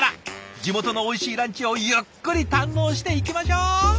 地元のおいしいランチをゆっくり堪能していきましょう。